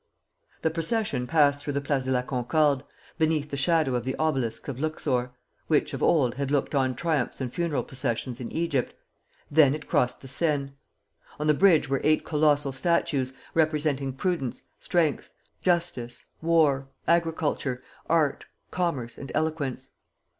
The procession passed through the Place de la Concorde, beneath the shadow of the obelisk of Luxor, which of old had looked on triumphs and funeral processions in Egypt; then it crossed the Seine. On the bridge were eight colossal statues, representing prudence, strength, justice, war, agriculture, art commerce, and eloquence.